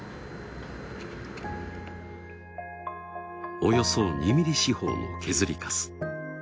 およそ２ミリ四方の削りかす。